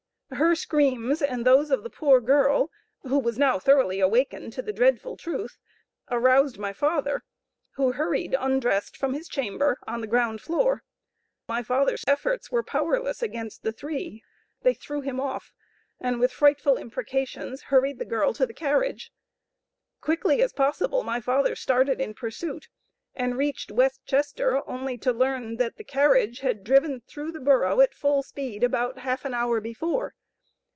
Her screams, and those of the poor girl, who was now thoroughly awakened to the dreadful truth, aroused my father, who hurried undressed from his chamber, on the ground floor. My father's efforts were powerless against the three; they threw him off, and with frightful imprecations hurried the girl to the carriage. Quickly as possible my father started in pursuit, and reached West Chester only to learn that the carriage had driven through the borough at full speed, about half an hour before.